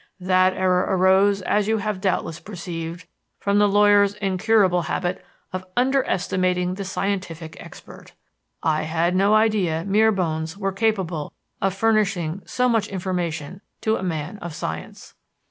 That error arose, as you have doubtless perceived, from the lawyer's incurable habit of underestimating the scientific expert. I had no idea mere bones were capable of furnishing so much information to a man of science.